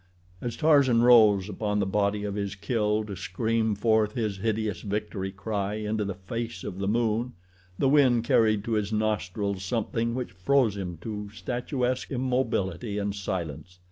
As Tarzan rose upon the body of his kill to scream forth his hideous victory cry into the face of the moon the wind carried to his nostrils something which froze him to statuesque immobility and silence.